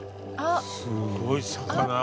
すごい魚。